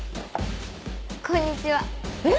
こんにちは。えっ？